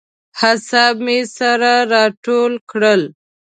اعصاب مې سره راټول کړل.